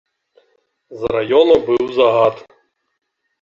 З раёна быў загад.